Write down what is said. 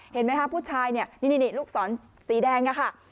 เห็นไหมค่ะผู้ชายนี่ลูกศรสีแดงค่ะ